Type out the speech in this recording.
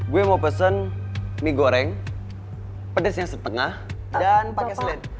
gue mau pesan mie goreng pedasnya setengah dan pake seled